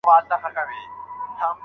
خلګ باید دا کار ونه کړي.